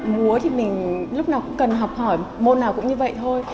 múa thì mình lúc nào cũng cần học hỏi môn nào cũng như vậy thôi